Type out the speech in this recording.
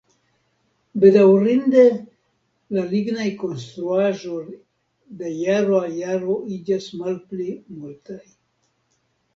Bedaŭrinde, la lignaj konstruaĵoj de jaro al jaro iĝas malpli multaj.